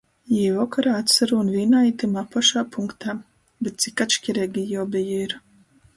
Jī vokorā atsarūn vīnā i tymā pošā punktā! Bet cik atškireigi jī obeji ir!